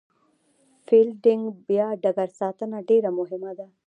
فیلډینګ یا ډګر ساتنه ډېره مهمه ده.